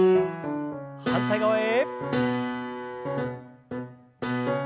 反対側へ。